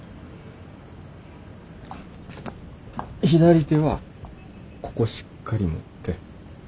左手はここしっかり持って。